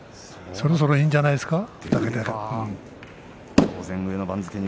そろそろいいんじゃないですかね。